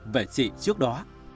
về chị trước đó